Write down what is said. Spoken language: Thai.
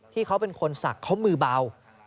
ที่เขาเป็นคนศักดิ์เขามือเบา